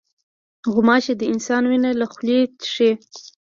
غوماشې د انسان وینه له خولې څښي.